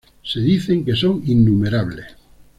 Se dicen que son innumerables.